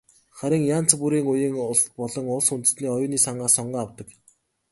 Харин янз бүрийн үеийн болон улс үндэстний оюуны сангаас сонгон авдаг.